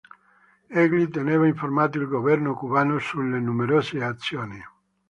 Egli teneva informato il governo cubano sulle numerose azioni.